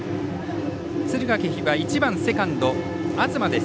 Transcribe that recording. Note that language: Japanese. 敦賀気比は１番、セカンド東です。